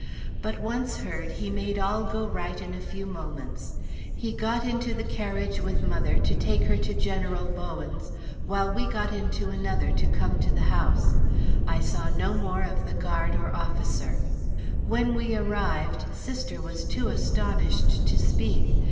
But once heard, he made all go right in a few moments. He got into the carriage with mother, to take her to General Bowens, while we got into another to come to the house. I saw no more of the guard or officer. When we arrived, Sister was too astonished to speak.